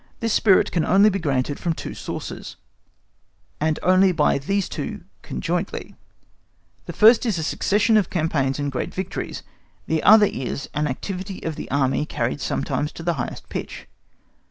This spirit can only be generated from two sources, and only by these two conjointly; the first is a succession of campaigns and great victories; the other is, an activity of the Army carried sometimes to the highest pitch.